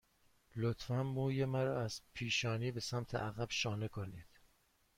لطفاً موی مرا از پیشانی به سمت عقب شانه کنید.